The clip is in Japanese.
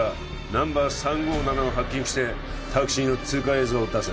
ナンバー３５７をハッキングしてタクシーの通過映像を出せ